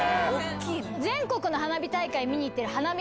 全国の花火大会見に行ってる。